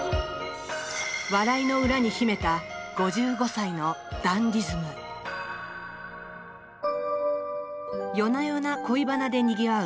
笑いの裏に秘めた５５歳のダンディズム夜な夜な恋バナでにぎわう